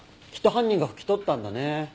きっと犯人が拭き取ったんだね。